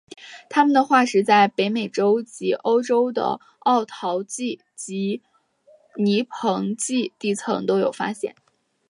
它们的化石在北美洲及欧洲的奥陶纪及泥盆纪地层都有发现。